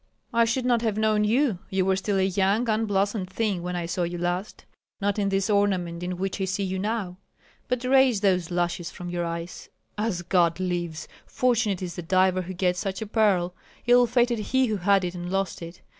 "I should not have known you; you were still a young, unblossomed thing when I saw you last, not in this ornament in which I see you now. But raise those lashes from your eyes. As God lives! fortunate is the diver who gets such a pearl, ill fated he who had it and lost it.